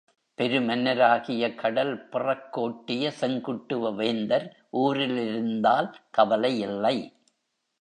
பெரு மன்னராகிய கடல் பிறக்கோட்டிய செங்குட்டுவ வேந்தர் ஊரிலிருந்தால் கவலை இல்லை.